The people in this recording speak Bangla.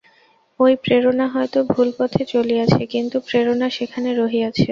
ঐ প্রেরণা হয়তো ভুল পথে চলিয়াছে, কিন্তু প্রেরণা সেখানে রহিয়াছে।